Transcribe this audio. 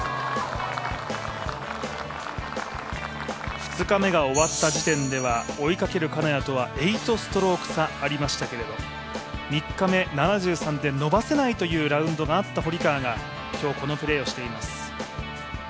２日目が終わった時点では追いかける金谷とは８ストローク差、ありましたけど３日目、７３で伸ばせないラウンドがあった堀川が今日、このプレーをしています。